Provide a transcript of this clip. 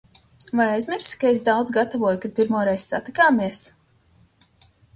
Vai aizmirsi, ka es daudz gatavoju, kad pirmoreiz satikāmies?